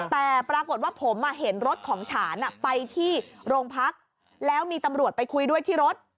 แต่ปรากฏว่าผมเห็นรถของฉานไปที่โรงพักแล้วมีตำรวจไปคุยด้วยที่รถ